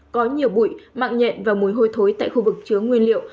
có nhiều bụi mạng nhện và mùi hôi thối tại khu vực chứa nguyên liệu